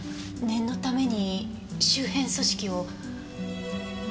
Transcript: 念のために周辺組織を。